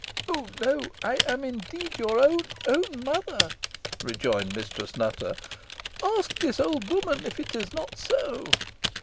"Oh! no, I am indeed your own own mother," rejoined Mistress Nutter. "Ask this old woman if it is not so."